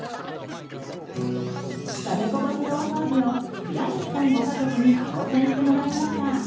食べこぼしのお掃除を倉西さんご家族に挑戦してもらいました。